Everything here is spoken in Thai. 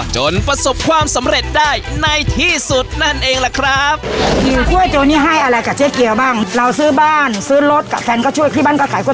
จนประสบความสำเร็จได้ในที่สุดนั่นเองล่ะครับ